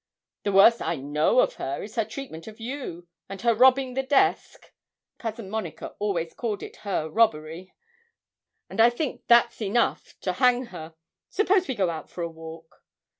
The worst I know of her is her treatment of you, and her robbing the desk' (Cousin Monica always called it her robbery) 'and I think that's enough to hang her. Suppose we go out for a walk?'